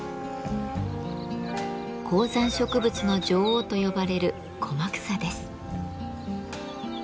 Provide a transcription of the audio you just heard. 高山植物の女王と呼ばれるコマクサです。